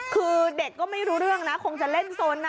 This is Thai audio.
คือเด็กก็ไม่รู้เรื่องนะคงจะเล่นสน